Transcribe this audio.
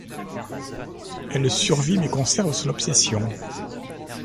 Elle survit, mais conserve son obsession.